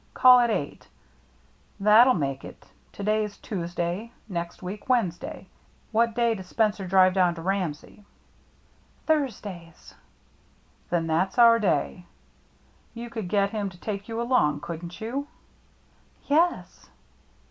Call it eight; that'll make it — to day's Tuesday — next week Wednesday. What day does Spencer drive down to Ramsey ?"" Thursdays." " Then that's our day. You could get him to take you along, couldn't you ?" "Yes."